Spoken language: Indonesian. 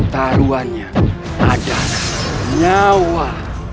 taruhannya adalah nyawa